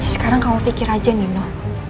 sekarang kamu pikir aja nino